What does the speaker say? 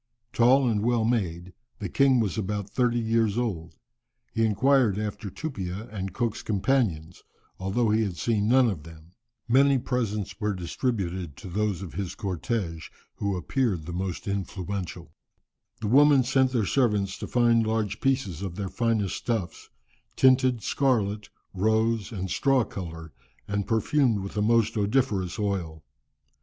Tall and well made, the king was about thirty years old. He inquired after Tupia and Cook's companions, although he had seen none of them. Many presents were distributed to those of his cortége who appeared the most influential. [Illustration: O Too, King of Otaheite. (Fac simile of early engraving.)] "The women sent their servants to find large pieces of their finest stuffs, tinted scarlet, rose, and straw colour, and perfumed with the most odoriferous oil.